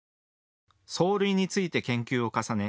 走塁について研究を重ね